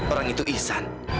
orang itu ihsan